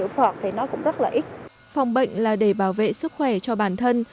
phòng bệnh là để bảo vệ sức khỏe cho bản thân